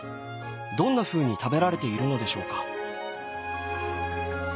どんなふうに食べられているのでしょうか。